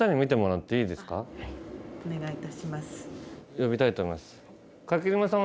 呼びたいと思います。